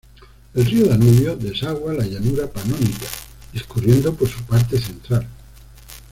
El río Danubio desagua la llanura panónica, discurriendo por su parte central.